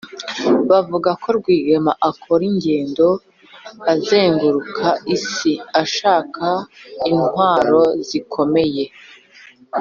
bavuga ko rwigema akora ingendo azenguruka isi ashaka intwaro zikomeye.